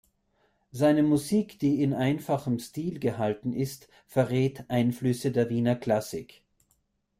Seine Musik, die in einfachem Stil gehalten ist, verrät Einflüsse der Wiener Klassik.